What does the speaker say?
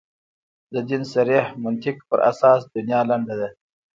د دین صریح منطق پر اساس دنیا لنډه ده.